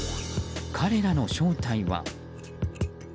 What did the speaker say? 彼らの正体は？